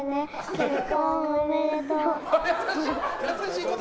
結婚おめでとう。